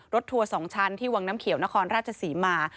ทัวร์๒ชั้นที่วังน้ำเขียวนครราชศรีมา